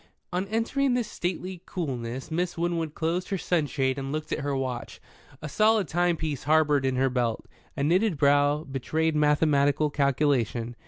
On entering the stately coolness, Miss Winwood closed her sunshade and looked at her watch, a solid timepiece harboured in her belt. A knitted brow betrayed mathematical calculation.